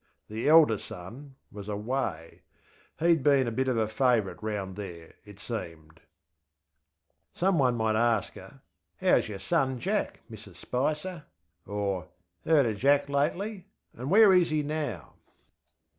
The elder son was ŌĆÖawayŌĆÖ. He had been a bit of a favourite round there, it seemed. Some one might ask her, ŌĆśHowŌĆÖs your son Jack, Mrs Spicer? ŌĆÖ or, ŌĆśHeard of Jack lately? and where is he now?